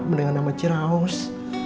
mendengar nama ciraus